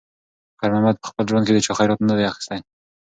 خیر محمد په خپل ژوند کې د چا خیرات نه دی اخیستی.